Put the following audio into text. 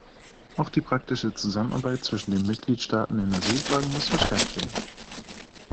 Auch die praktische Zusammenarbeit zwischen den Mitgliedstaaten in Asylfragen muss verstärkt werden.